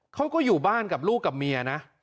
เขาก็อยู่บ้านกับลูกกับเมียนะ